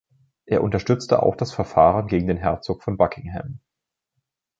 Er unterstützte auch das Verfahren gegen den Herzog von Buckingham.